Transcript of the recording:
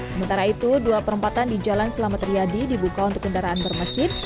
sementara itu dua perempatan di jalan selamat riyadi dibuka untuk kendaraan bermesin